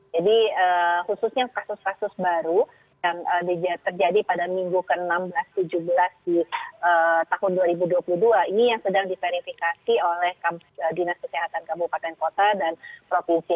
jadi khususnya kasus kasus baru yang terjadi pada minggu ke enam belas tujuh belas di tahun dua ribu dua puluh dua ini yang sedang diverifikasi oleh dinas kesehatan kabupaten kota dan provinsi